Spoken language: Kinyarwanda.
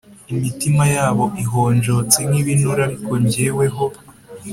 Imitima yabo ihonjotse nk ibinure Ariko jyeweho